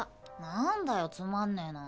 何だよつまんねえな。